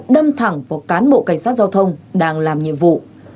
đâm thẳng vào cán bộ cảnh sát giao thông đang làm nhiệm vụ